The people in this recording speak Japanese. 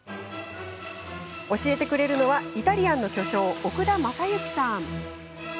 教えてくれるのはイタリアンの巨匠、奥田政行さん。